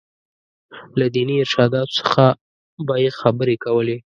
له ديني ارشاداتو څخه به یې خبرې کولې.